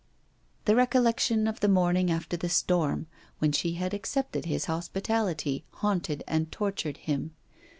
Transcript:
The recollection of the morning after the storm, when she had accepted his hospitality, haunted and tortured him.